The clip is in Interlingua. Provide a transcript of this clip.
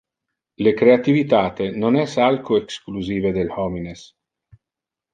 Le creativitate non es alco exclusive del homines.